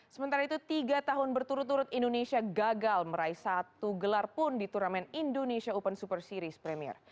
sementara itu tiga tahun berturut turut indonesia gagal meraih satu gelar pun di turnamen indonesia open super series premier